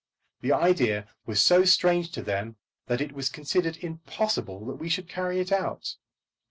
The idea was so strange to them that it was considered impossible that we should carry it out.